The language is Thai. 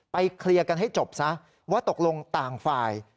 เคลียร์กันให้จบซะว่าตกลงต่างฝ่าย